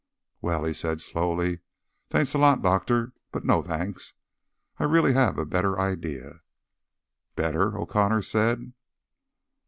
"Well," he said slowly, "thanks a lot, Doctor, but no thanks. I really have a better idea." "Better?" O'Connor said.